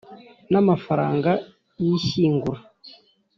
n amafaranga y ishyingura